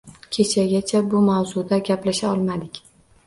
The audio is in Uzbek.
Kechgacha bu mavzuda gaplasha olmadik